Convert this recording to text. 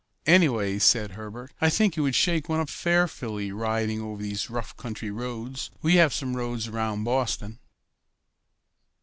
"Anyway," said Herbert, "I should think it would shake one up fearfully riding over these rough country roads. We have some roads around Boston."